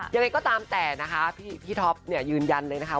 ยังไงก็ตามแต่นะคะพี่ท็อปเนี่ยยืนยันเลยนะคะ